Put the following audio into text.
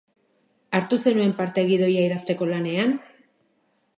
Hartu zenuen parte gidoia idazteko lanean?